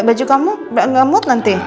baju kamu gak mood nanti